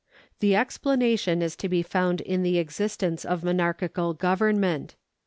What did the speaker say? The explanation is to be found in the existence of monarchical government.